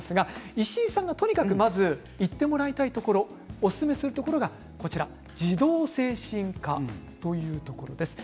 石井さんが、とにかく行ってもらいたいところおすすめするのが児童精神科というところです。